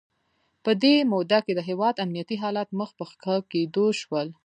په دې موده کې د هیواد امنیتي حالات مخ په ښه کېدو شول.